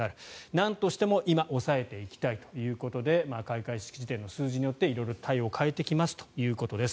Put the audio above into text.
なんとしても今、抑えていきたいということで開会式時点の数字で色々と対応を変えていきますということです。